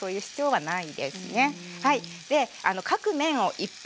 はい。